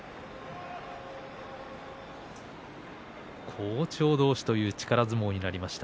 好調同士という力相撲になりました。